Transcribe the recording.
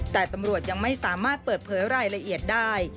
แต่ตำรวจยังไม่สามารถเปิดเผยรายละเอียดได้